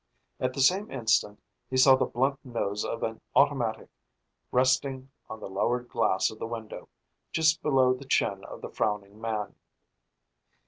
At the same instant he saw the blunt nose of an automatic resting on the lowered glass of the window, just below the chin of the frowning man.